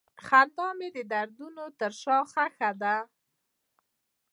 خندا مې د دردونو تر شا ښخ ده.